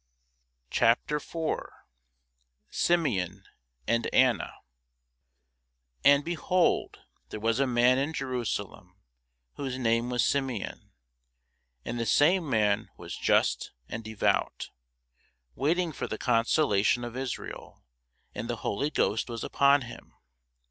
CHAPTER 4 SIMEON AND ANNA AND, behold, there was a man in Jerusalem, whose name was Simeon; and the same man was just and devout, waiting for the consolation of Israel: and the Holy Ghost was upon him.